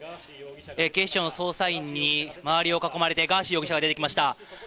警視庁の捜査員に周りを囲まれて、ガーシー容疑者が出てきました。